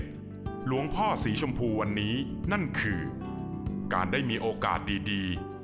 หลวงพ่อสีชมพูวันนี้นั่นคือการได้มีโอกาสดี